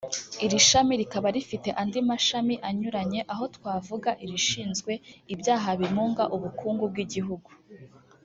Iri shami rikaba rifite andi mashami anyuranye; aha twavuga irishinzwe ibyaha bimunga ubukungu bw’igihugu